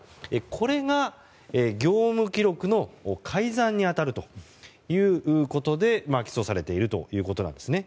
これが、業務記録の改ざんに当たるということで起訴されているということなんですね。